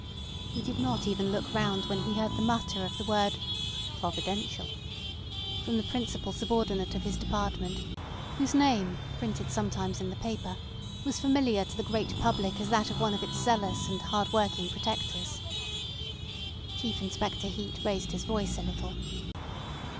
He did not even look round when he heard the mutter of the word "Providential" from the principal subordinate of his department, whose name, printed sometimes in the papers, was familiar to the great public as that of one of its zealous and hard working protectors. Chief Inspector Heat raised his voice a little.